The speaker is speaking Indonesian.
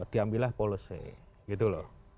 diambillah policy gitu loh